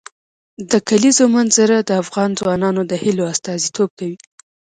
د کلیزو منظره د افغان ځوانانو د هیلو استازیتوب کوي.